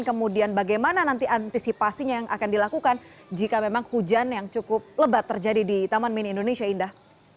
kemudian bagaimana nanti antisipasinya yang akan dilakukan jika memang hujan yang cukup lebat terjadi di taman mini indonesia indah